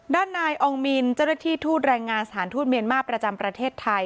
ด้านนายอองมินเจ้าหน้าที่ทูตแรงงานสถานทูตเมียนมาร์ประจำประเทศไทย